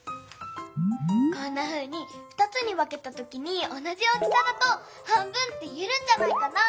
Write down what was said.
こんなふうに２つにわけたときにおなじ大きさだと半分っていえるんじゃないかな。